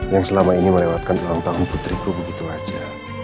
yang selama ini melewatkan ulang tahun putriku begitu saja